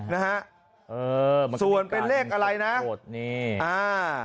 นะฮะเออส่วนเป็นเลขอะไรนะหมดนี่อ่า